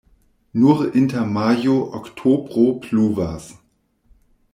Nur inter majo-oktobro pluvas.